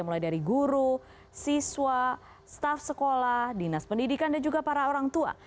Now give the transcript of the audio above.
mulai dari guru siswa staff sekolah dinas pendidikan dan juga para orang tua